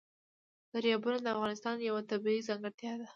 دریابونه د افغانستان یوه طبیعي ځانګړتیا ده.